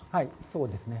そうですね。